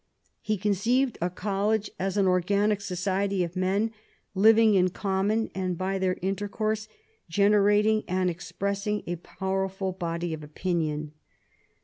He conceived a college as an organic society of men living in common, and by their intercourse generating and ex pressing a powerful body of opinion.